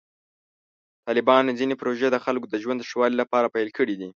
طالبانو ځینې پروژې د خلکو د ژوند د ښه والي لپاره پیل کړې دي.